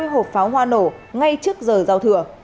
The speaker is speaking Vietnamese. hai mươi hộp pháo hoa nổ ngay trước giờ giao thừa